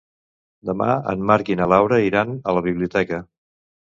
Demà en Marc i na Laura iran a la biblioteca.